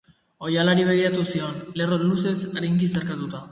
Oihalari begiratu zion, lerro luzez arinki zeharkatua.